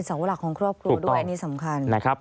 สาวหลักของครอบครัวด้วยอันนี้สำคัญ